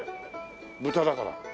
豚だから。